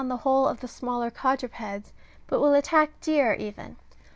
the whole of the smaller quadrupeds, but will attack deer even.